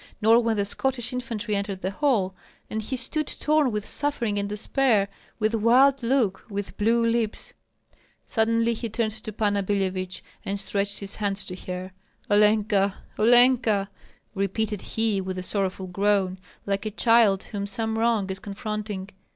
nor when the Scottish infantry entered the hall; and he stood torn with suffering and despair, with wild look, with blue lips. Suddenly he turned to Panna Billevich and stretched his hands to her. "Olenka! Olenka!" repeated he, with a sorrowful groan, like a child whom some wrong is confronting.